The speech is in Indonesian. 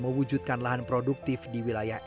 mewujudkan lahan produktif di wilayah